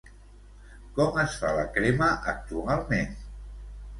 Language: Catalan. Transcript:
Com es fa la crema actualment?